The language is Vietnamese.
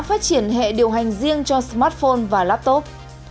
phát triển hệ điều hành riêng cho smartphone và laptop